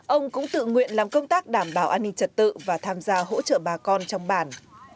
ông cũng tự nguyện làm công tác đảm bảo an ninh trật tự và tham gia hỗ trợ bà con trong bản